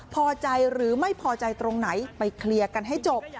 พอใจหรือไม่พอใจตรงไหนไปเคลียร์กันให้จบ